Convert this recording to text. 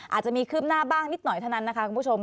อาจจะมีคืบหน้าบ้างนิดหน่อยเท่านั้นนะคะคุณผู้ชม